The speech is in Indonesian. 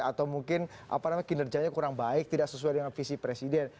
atau mungkin kinerjanya kurang baik tidak sesuai dengan visi presiden